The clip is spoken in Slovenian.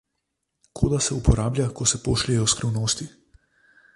Koda se uporablja, ko se pošljejo skrivnosti.